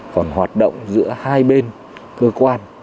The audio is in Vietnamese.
còn hoạt động giữa hai bên cơ quan